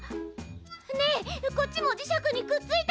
ねえこっちも磁石にくっついた！